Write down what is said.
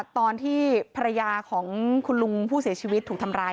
ตอนที่ภรรยาของคุณลุงผู้เสียชีวิตถูกทำร้าย